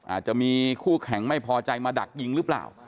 อาจจะมีคู่แข่งไม่พอใจมาดักยิงหรือเปล่า